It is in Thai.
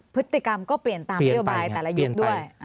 พฤติกรรมก็เปลี่ยนตามนโยบายแต่ละยุคด้วย